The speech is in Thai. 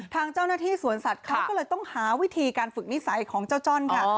ทางเจ้าหน้าที่สวนสัตว์เขาก็เลยต้องหาวิธีการฝึกนิสัยของเจ้าจ้อนค่ะ